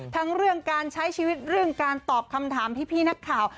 ทั้งเรื่องการใช้ชีวิตเรื่องการตอบคำถามพี่นักข่าว